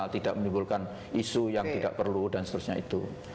tidak menimbulkan isu yang tidak perlu dan seterusnya itu